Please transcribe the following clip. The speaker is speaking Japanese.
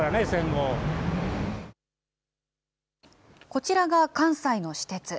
こちらが関西の私鉄。